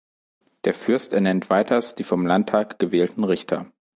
Der Fürst ernennt weiters die vom Landtag gewählten Richter.